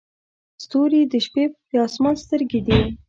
ستوري د شپې د اسمان سترګې دي.